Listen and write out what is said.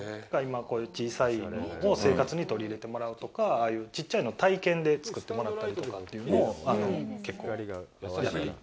これ、今、小さいのを生活に取り入れてもらうとか、ああいう小さいのを体験で作ってもらったりとかというのを結構やっていて。